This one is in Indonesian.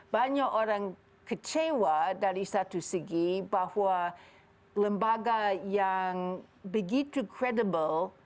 banyak orang kecewa dari satu segi bahwa lembaga yang begitu kredibel